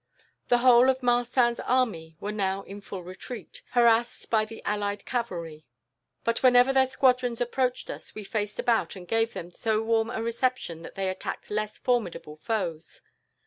The whole of Marcin's army were now in full retreat, harassed by the allied cavalry; but whenever their squadrons approached us, we faced about and gave them so warm a reception that they attacked less formidable foes.